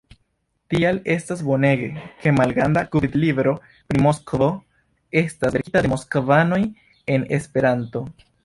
Tial estas bonege, ke Malgranda gvidlibro pri Moskvo estas verkita de moskvanoj en Esperanto.